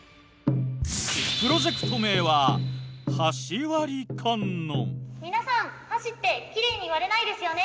プロジェクト名は皆さん箸ってきれいに割れないですよね。